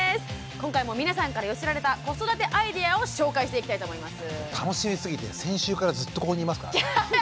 今回も皆さんから寄せられた子育てアイデアを紹介していきたいと思います。